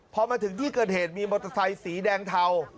พอมาถึงที่เกิดเหตุมีมอเตอร์ไซค์สีแดงเทา